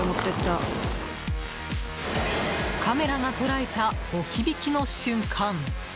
カメラが捉えた置き引きの瞬間。